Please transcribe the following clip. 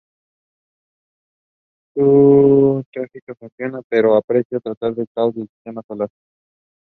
He became its member until the dissolution of the committee.